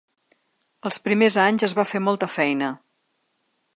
Els primers anys es va fer molta feina.